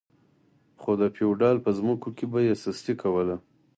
خو د فیوډال په ځمکو کې به یې سستي کوله.